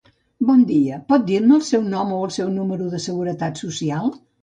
Bon dia, pot dir-me el seu nom o el seu número de seguretat social?